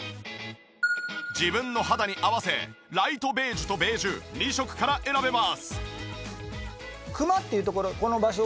自分の肌に合わせライトベージュとベージュ２色から選べます。